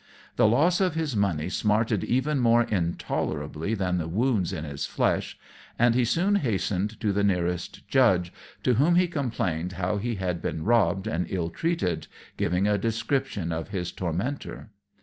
The loss of his money smarted even more intolerably than the wounds in his flesh, and he hastened to the nearest judge, to whom he complained how he had been robbed and ill treated, giving a description of his tormentor.